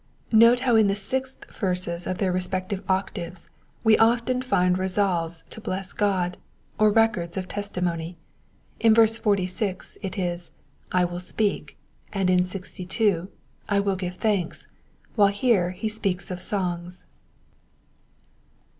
Note how in the sixth verses of their respective octaves we often find resolves to bless God, or records of testimony. In verse 46 it is, I will speak," and in 62, I will give thanks," while here he speaks of songs.